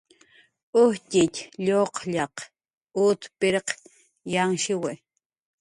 Ujtxitx lluqllaq ut pirq yanhshiwi